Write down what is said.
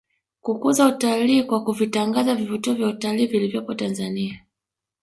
Kukuza utalii kwa kuvitangaza vivutio vya utalii vilivyopo Tanzania